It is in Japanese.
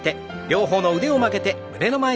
両方の腕を曲げて胸の前。